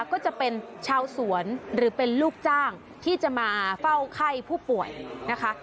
ก็จะเป็นชาวสวนหรือเป็นลูกจ้างที่จะมาเฝ้าไข้ผู้ป่วยนะคะ